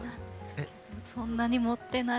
そんなに持ってないです。